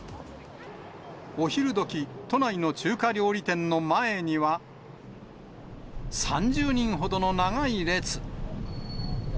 お昼どき、都内の中華料理店の前には、３０人ほどの長い列。